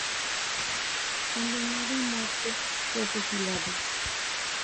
Condenado a muerte, fue fusilado.